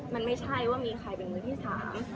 ไม่ใช่ว่ามีใครเป็นคนอื่นข้าง